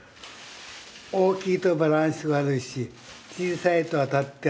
大きいとバランス悪いし小さいと当たって熱くていけないと。